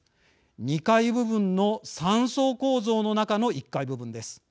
２階部分の３層構造の中の１階部分です。